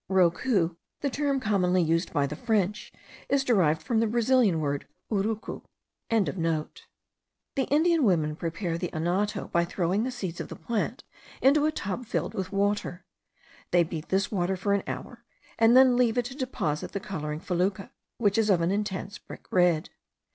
Rocou, the term commonly used by the French, is derived from the Brazilian word, urucu.) The Indian women prepare the anato by throwing the seeds of the plant into a tub filled with water. They beat this water for an hour, and then leave it to deposit the colouring fecula, which is of an intense brick red.